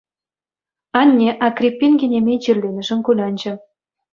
Анне Акриппин кинемей чирленӗшӗн кулянчӗ.